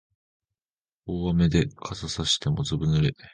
大雨で傘さしてもずぶ濡れ